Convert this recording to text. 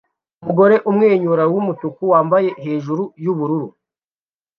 Umugore umwenyura wumutuku wambaye hejuru yubururu